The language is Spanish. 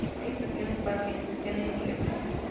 Hay instructores para quienes deseen iniciarse.